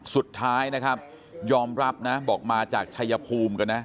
สุดท้ายนะครับยอมรับนะบอกมาจากชายภูมิกันนะ